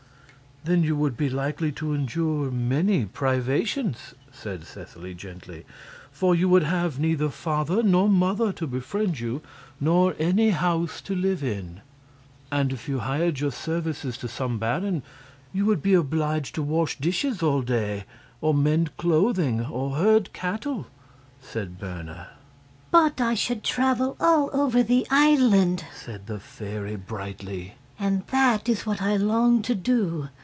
"Then you would be likely to endure many privations," said Seseley, gently. "For you would have neither father nor mother to befriend you, nor any house to live in." "And if you hired your services to some baron, you would be obliged to wash dishes all day, or mend clothing, or herd cattle," said Berna. "But I should travel all over the island," said the fairy, brightly, "and that is what I long to do.